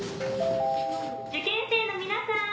受験生の皆さん！